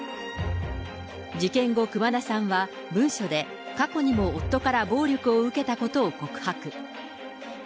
事件後、熊田さんは文書で過去にも夫から暴力を受けたことを報告。